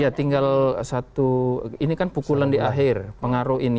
ya tinggal satu ini kan pukulan di akhir pengaruh ini